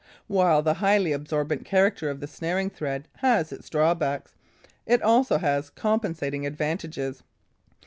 While the highly absorbent character of the snaring thread has its drawbacks, it also has compensating advantages.